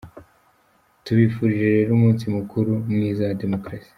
Tubifurije rero umunsi mukuru mwiza wa Demokarasi.